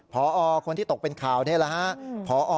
พอคนที่ตกเป็นข่าวนี้เนี่ยแหละ